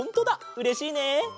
うれしいね！